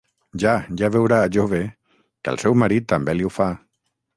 Ja, ja veurà, jove, que el seu marit també li ho fa.